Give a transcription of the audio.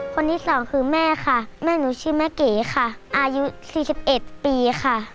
คนที่สองคือแม่ค่ะแม่หนูชื่อแม่เก๋ค่ะอายุ๔๑ปีค่ะ